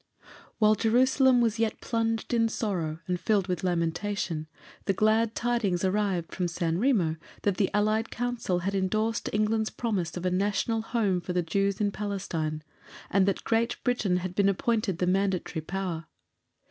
While Jerusalem was yet plunged in sorrow and filled with lamentation, the glad tidings arrived from San Remo that the Allied Council had endorsed England's promise of a National Home for the Jews in Palestine, and that Great Britain had been appointed the Mandatory Power.